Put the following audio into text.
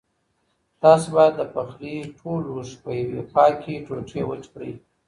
تاسو باید د پخلي ټول لوښي په یوې پاکې ټوټې وچ کړئ.